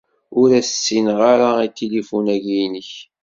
Ur as-ssineɣ ara i tilifun-agi-inek.